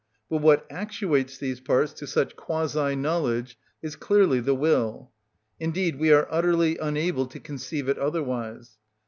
But what actuates these parts to such quasi knowledge is clearly the will; indeed we are utterly unable to conceive it otherwise.